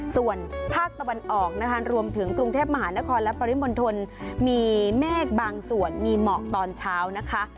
ส่วนภาคตะวันออกนะคะรวมถึงกรุงเทพมหานครและปริมณฑลมีเมฆบางส่วนมีหมอกตอนเช้านะคะ